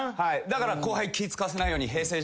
だから後輩気使わせないように。